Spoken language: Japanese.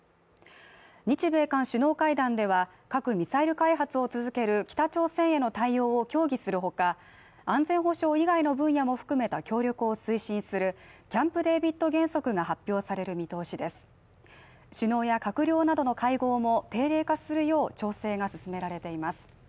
日米韓首脳会談では核・ミサイル開発を続ける北朝鮮への対応を協議するほか安全保障以外の分野も含めた協力を推進するキャンプデービッド原則が発表される見通しです首脳や閣僚などの会合も定例化するよう調整が進められています